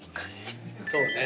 そうね。